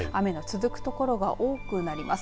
雨の続くところが多くなります。